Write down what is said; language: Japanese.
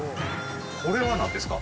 これはなんですか？